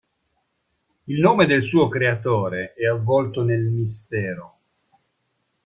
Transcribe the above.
Il nome del suo creatore è avvolto nel mistero.